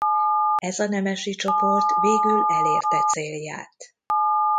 Ez a nemesi csoport végül elérte célját.